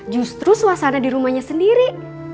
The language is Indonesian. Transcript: justru suasana di rumahnya sendiri